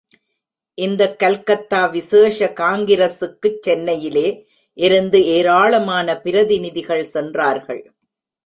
இந்தக் கல்கத்தா விசேஷ காங்கிரசுக்குச் சென்னையிலே இருந்து ஏராளமான பிரதிநிதிகள் சென்றார்கள்.